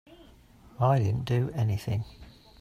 I didn't do anything.